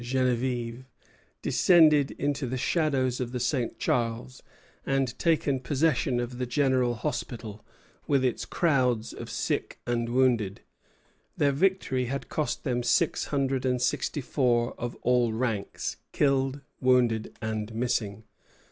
Geneviève, descended into the meadows of the St. Charles, and taken possession of the General Hospital, with its crowds of sick and wounded. Their victory had cost them six hundred and sixty four of all ranks, killed, wounded, and missing.